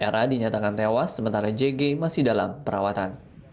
ra dinyatakan tewas sementara jg masih dalam perawatan